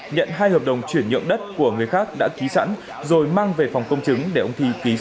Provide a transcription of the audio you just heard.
nhận hai hợp đồng chuyển nhượng đất của người khác đã ký sẵn rồi mang về phòng công